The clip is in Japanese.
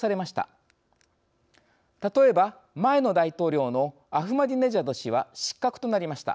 例えば前の大統領のアフマディネジャド氏は失格となりました。